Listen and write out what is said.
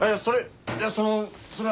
いやそのそれは。